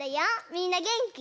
みんなげんき？